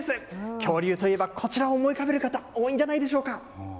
恐竜といえば、こちらを思い浮かべる方、多いんじゃないでしょうか。